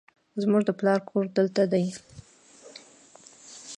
زموږ د پلار کور دلته دی